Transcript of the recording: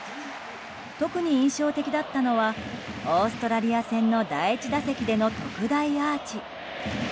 特に印象的だったのはオーストラリア戦の第１打席での特大アーチ。